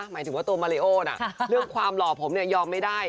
หมายถึงว่าตัวมาริโอนะเรื่องความหล่อผมเนี่ยยอมไม่ได้